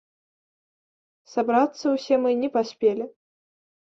Сабрацца ўсе мы не паспелі.